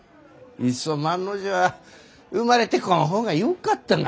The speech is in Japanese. いっそ万の字は生まれてこん方がよかったな。